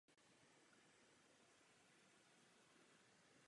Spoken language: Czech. Její autorita byla oslabena po sérii ztrát mandátů v zemských volbách.